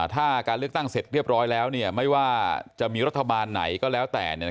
ถ้าการเลือกตั้งเสร็จเรียบร้อยแล้วไม่ว่าจะมีรัฐบาลไหนก็แล้วแต่